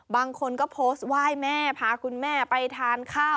บางคนก็โพสต์ไหว้แม่พาคุณแม่ไปทานข้าว